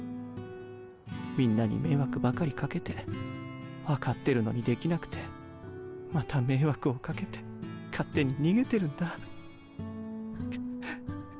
みんなに迷惑ばかりかけて分かってるのにできなくてまた迷惑をかけて勝手に逃げてるんだ。